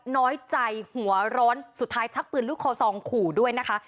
น้อยใจหัวร้อนสุดท้ายชักปืนลูกคอซองขู่ด้วยนะคะ